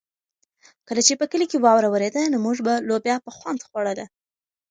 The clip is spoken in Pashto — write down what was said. کله چې په کلي کې واوره ورېده نو موږ به لوبیا په خوند خوړله.